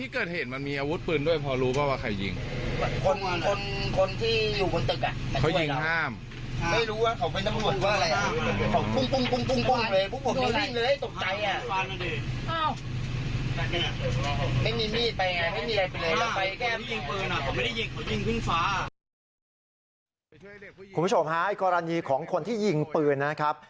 คุณผู้ชมฮะกรณีของคนที่ยิงปืนนะครับ